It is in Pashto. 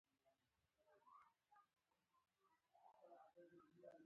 نوشیروان په خوب کې لیدلی و.